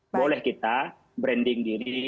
boleh kita branding diri